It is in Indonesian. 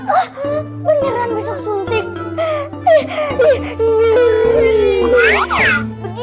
hah beneran besok suntik